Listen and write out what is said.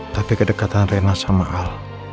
tapi kedekatan rena sama al